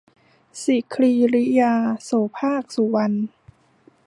สิคีริยา - โสภาค สุวรรณ